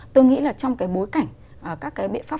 tôi nghĩ là trong cái bối cảnh các cái biện pháp